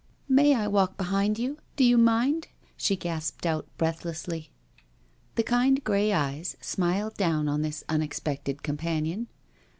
*' May I walk behind you? Do you mind?*' she gasped out breathlessly. The kind grey eyes smiled down on this unexpected companion.